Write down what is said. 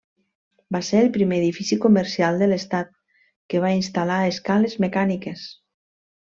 Va ser el primer edifici comercial de l'Estat que va instal·lar escales mecàniques.